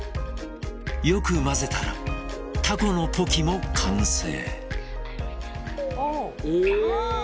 よく混ぜたらタコのポキも完成。